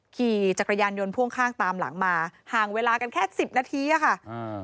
ขี่จักรยานยนต์พ่วงข้างตามหลังมาห่างเวลากันแค่สิบนาทีอ่ะค่ะอ่า